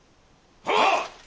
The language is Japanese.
はっ！